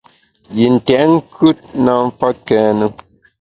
Yi ntèt nkùt na mfa kène.